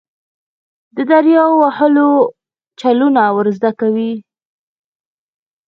د دریاوو د وهلو چلونه ور زده کوي.